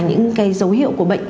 những dấu hiệu của bệnh